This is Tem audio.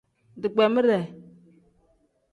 Digbeemire.